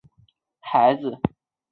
故爱丽丝不应是阿尔伯特的孩子。